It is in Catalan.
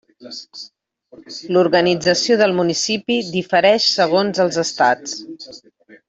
L'organització del municipi difereix segons els estats.